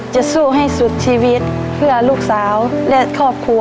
จะศุกร์ให้สุดชีวิตเพื่อลูกสาวเรียน